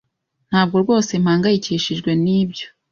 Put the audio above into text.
Ntabwo rwose mpangayikishijwe nibyo.